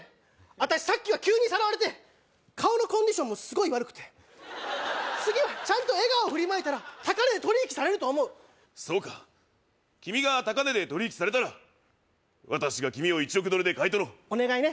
私さっきは急にさらわれて顔のコンディションもすごい悪くて次はちゃんと笑顔を振りまいたら高値で取り引きされると思うそうか君が高値で取り引きされたら私が君を１億ドルで買い取ろうお願いね